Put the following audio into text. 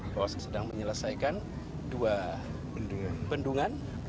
bahwa sedang menyelesaikan dua bendungan